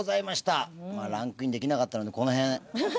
まあランクインできなかったのでこの辺。